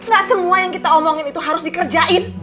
gak semua yang kita omongin itu harus dikerjain